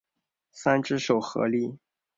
三只手合力。